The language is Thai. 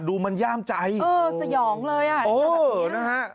ดูมันย่ามใจเออสยองเลยอะ